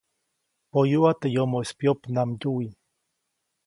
Poyuʼa teʼ yomoʼis pyopnamdyuwi.